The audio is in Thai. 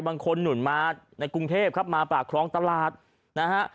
หนุ่นมาในกรุงเทพครับมาปากครองตลาดนะฮะ